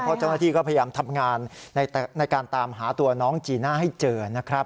เพราะเจ้าหน้าที่ก็พยายามทำงานในการตามหาตัวน้องจีน่าให้เจอนะครับ